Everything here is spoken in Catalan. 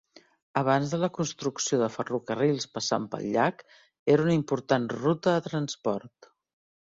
Abans de la construcció de ferrocarrils passant pel llac, era una important ruta de transport.